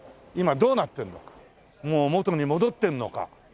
もう元に戻ってるのか？